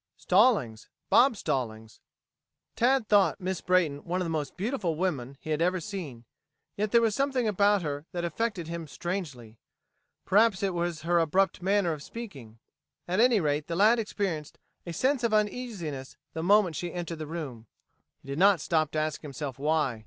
"Stallings Bob Stallings." Tad thought Miss Brayton one of the most beautiful women he had ever seen. Yet there was something about her that affected him strangely. Perhaps it was her abrupt manner of speaking. At any rate the lad experienced a sense of uneasiness the moment she entered the room. He did not stop to ask himself why.